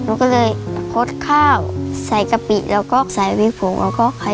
หนูก็เลยไปช่วยพ่อทำงานเพื่อหาเงินมาพาน้องไปผ่าตัดค่ะ